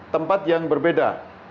tempat yang berbeda